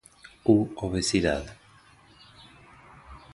u obesidad